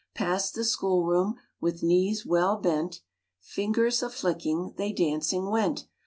Past the schoolroom, With knees well bent Fingers a flicking, They dancing went.